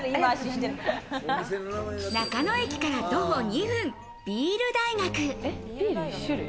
中野駅から徒歩２分、麦酒大学。